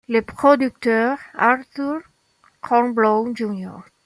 Le producteur Arthur Hornblow Jr.